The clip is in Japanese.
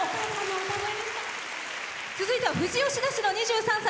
続いては富士吉田市の２３歳。